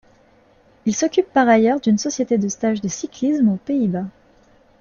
Il s'occupe par ailleurs d'une société de stage de cyclisme aux Pays-Bas.